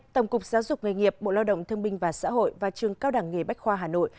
tổng cục giáo dục nghề nghiệp bộ lao động thương binh và xã hội và trường cao đẳng nghề bách khoa hà nội